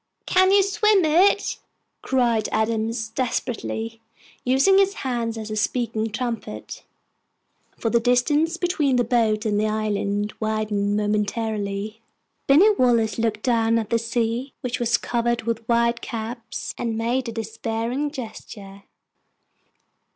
"Can you swim it?" cried Adams, desperately, using his hand as a speaking trumpet, for the distance between the boat and the island widened momentarily. Binny Wallace looked down at the sea, which was covered with white caps, and made a despairing gesture.